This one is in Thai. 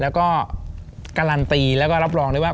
แล้วก็การันตีแล้วก็รับรองได้ว่า